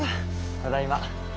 ただいま。